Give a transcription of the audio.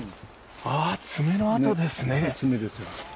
爪の跡ですね。